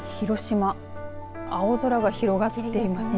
広島青空が広がっていますね。